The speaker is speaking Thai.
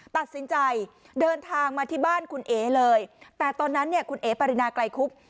ตัดสินใจเดินทางมาที่บ้านคุณเอ๋เลยแต่ตอนนั้นเนี่ยคุณเอ๋ปรินาไกลคุบ